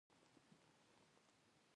آیا کاناډا د بایو ټیکنالوژۍ شرکتونه نلري؟